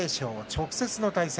直接の対戦。